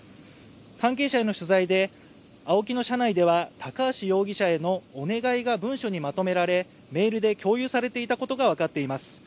関係者への取材でＡＯＫＩの社内では高橋容疑者へのお願いが文書にまとめられメールで共有されていたことが分かっています。